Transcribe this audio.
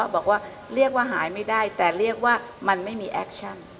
บอกว่าเรียกว่าหายไม่ได้แต่เรียกว่ามันไม่มีแอคชั่น